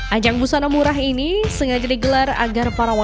ajang busana murah ini sengaja digelar agar para warga